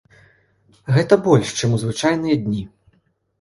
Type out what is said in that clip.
Гэта больш, чым у звычайныя дні.